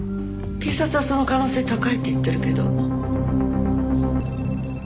警察はその可能性高いって言ってるけど。